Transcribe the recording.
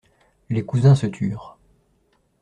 Les cousins se turent.